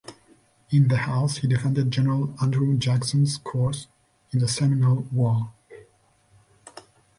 In the House, he defended General Andrew Jackson's course in the Seminole War.